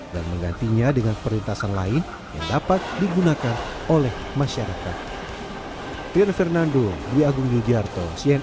dan menggantinya dengan perlintasan lain yang dapat digunakan oleh masyarakat